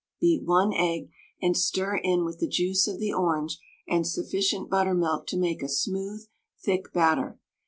Beat 1 egg, and stir in with the juice of the orange and sufficient buttermilk to make a smooth, thick batter.